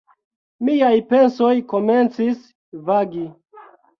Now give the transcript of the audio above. Miaj pensoj komencis vagi.